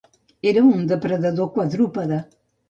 Era un depredador quadrúpede.